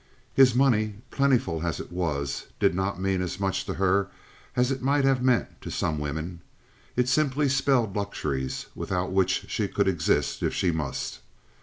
His money, plentiful as it was, did not mean as much to her as it might have meant to some women; it simply spelled luxuries, without which she could exist if she must.